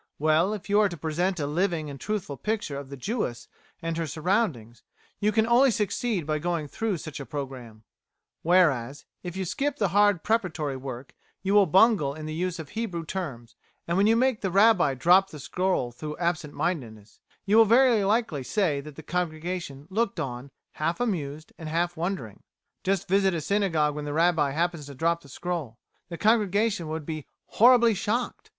Well, if you are to present a living and truthful picture of the Jewess and her surroundings, you can only succeed by going through such a programme; whereas, if you skip the hard preparatory work you will bungle in the use of Hebrew terms, and when you make the Rabbi drop the scroll through absent mindedness, you will very likely say that "the congregation looked on half amused and half wondering." Just visit a synagogue when the Rabbi happens to drop the scroll. The congregation would be "horribly shocked."